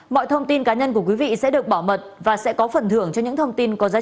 mọi thông tin cá nhân của quý vị sẽ được bảo mật và sẽ có phần thưởng cho những thông tin có giá trị